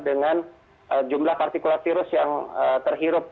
dengan jumlah partikulat virus yang terhirup